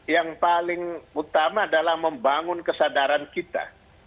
yang paling utama adalah membangun kesadaran kita